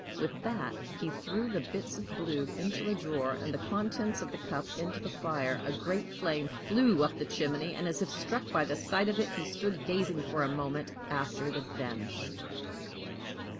With that he threw both the bits of blue into a drawer, and the contents of the cup into the fire. A great flame flew up the chimney, and, as if struck at the sight of it, he stood gazing for a moment after it had vanished.